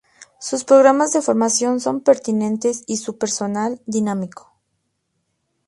Sus programas de formación son pertinentes y su personal, dinámico.